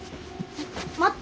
待って。